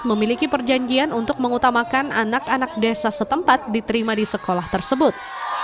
memiliki perjanjian untuk mengutamakan anak anak desa setempat diterima di sekolah tersebut